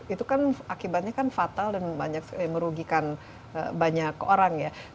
itu kan akibatnya kan fatal dan banyak sekali merugikan banyak orang ya